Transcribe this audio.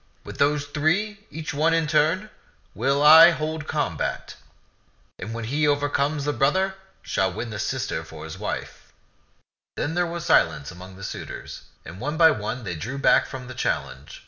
With those three, each one in turn, will I hold combat ; and he who overcomes the brother shall win the sister for his wife." 178 ^^^ ^(\UXXt'B'tCKk Then there was silence among the suitors, and one by one they drew back from the challenge.